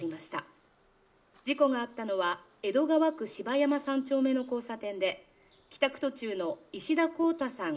事故があったのは江戸川区シバヤマ３丁目の交差点で帰宅途中のイシダコウタさん